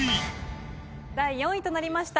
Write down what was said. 第４位となりました